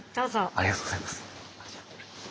ありがとうございます。